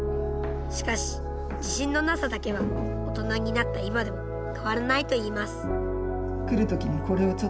しかし自信のなさだけは大人になった今でも変わらないといいます。